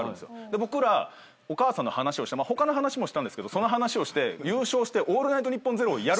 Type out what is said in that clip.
僕らお母さんの話をしてまあ他の話もしたんですけどその話をして優勝して『オールナイトニッポン０』をやることになったんですよ。